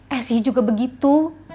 esi juga begitu